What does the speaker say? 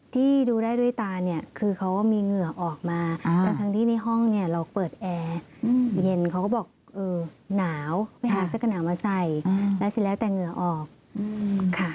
ที่ดูได้ด้วยตาเนี่ยคือเขามีเหงื่อออกมาทั้งที่ในห้องเนี่ยเราเปิดแอร์เย็นเขาก็บอกเออหนาวไปหาเสื้อกันหนาวมาใส่แล้วเสร็จแล้วแต่เหงื่อออกค่ะ